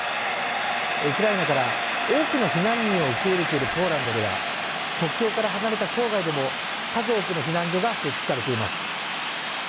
ウクライナから多くの避難民を受け入れているポーランドでは国境から離れた郊外でも数多くの避難所が設置されています。